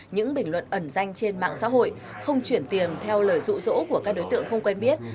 những bình luận ẩn danh trên mạng xã hội không chuyển tiền theo lời rụ rỗ của các đối tượng không quen biết